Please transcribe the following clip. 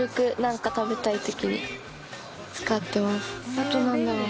あと何だろう？